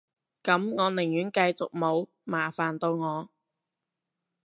噉我寧願繼續冇，麻煩到我